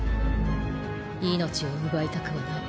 命を奪いたくはない。